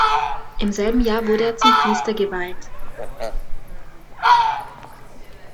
Im selben Jahr wurde er zum Priester geweiht.